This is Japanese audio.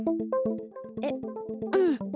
えっうん。